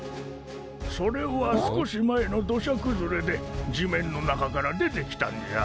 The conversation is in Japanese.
それは少し前のどしゃくずれで地面の中から出てきたんじゃ。